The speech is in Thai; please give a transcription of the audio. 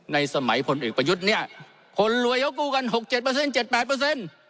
ในสมัยผลอีกประยุทธ์เนี้ยคนรวยเอากู้กันหกเจ็ดเปอร์เซ็นต์